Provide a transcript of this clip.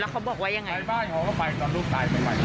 อ๋อแล้วเขาบอกว่ายังไงไปบ้านเขาก็ไปก่อนลูกตายไปไป